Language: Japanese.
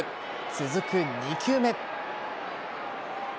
続く２球目。